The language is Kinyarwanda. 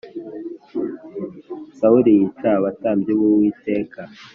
Sawuli yica abatambyi b’Uwiteka